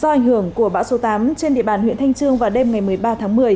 do ảnh hưởng của bão số tám trên địa bàn huyện thanh trương vào đêm ngày một mươi ba tháng một mươi